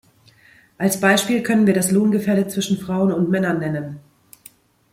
Als Beispiel können wir das Lohngefälle zwischen Frauen und Männern nennen.